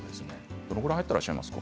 どのくらい入ってらっしゃいますか？